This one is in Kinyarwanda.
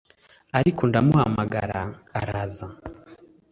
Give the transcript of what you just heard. ariko ndamuhamagara, araza.